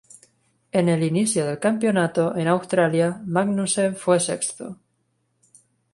En el inicio del campeonato, en Australia, Magnussen fue sexto.